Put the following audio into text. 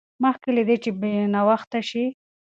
مخکې له دې چې ناوخته شي.